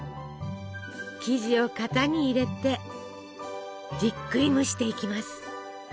生地を型に入れてじっくり蒸していきます。